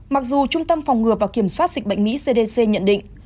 mặc dù trung tâm phòng ngừa và kiểm soát dịch bệnh mỹ cdc nhận định